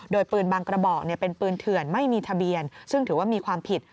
โดยปืนบางกระบอกเป็นปืนเถื่อนไม่มีทะเบียนซึ่งถือว่ามีความผิด